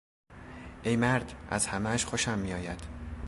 ای مرد، از همهاش خوشم میآید!